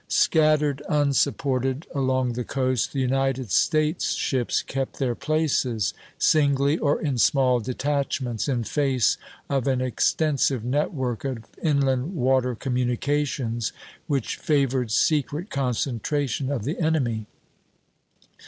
Scattered unsupported along the coast, the United States ships kept their places, singly or in small detachments, in face of an extensive network of inland water communications which favored secret concentration of the enemy.